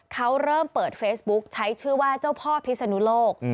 เขาเริ่มเปิดเฟซบุ๊คใช้ชื่อว่าเจ้าพ่อพิศนุโลก